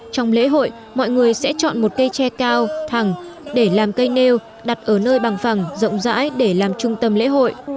trong lễ hội mọi người sẽ chọn một cây tre cao thẳng để làm cây nêu đặt ở nơi bằng phẳng rộng rãi để làm trung tâm lễ hội